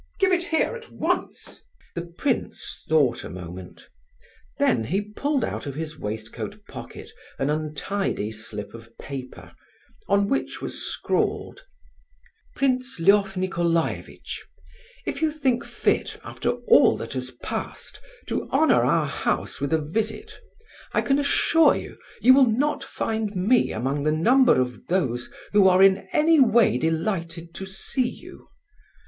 Give it here, at once." The prince thought a moment. Then he pulled out of his waistcoat pocket an untidy slip of paper, on which was scrawled: "PRINCE LEF NICOLAIEVITCH,—If you think fit, after all that has passed, to honour our house with a visit, I can assure you you will not find me among the number of those who are in any way delighted to see you.